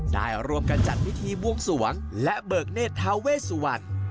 รวมกันจัดพิธีบวงสวงและเบิกเนธทาเวสวรรณ